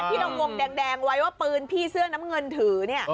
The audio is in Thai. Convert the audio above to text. ที่เรากงวกแดงไว้ว่าปืนพี่เสือนน้ำเงินถือ